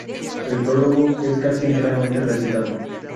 El prólogo es casi enteramente recitado.